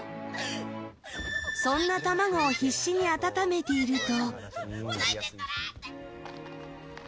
そんな卵を必死に温めていると。